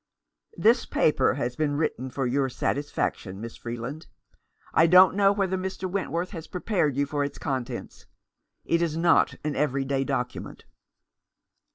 " This paper has been written for your satisfac tion, Miss Freeland. I don't know whether Mr. Wentworth has prepared you for its contents. It is not an everyday document."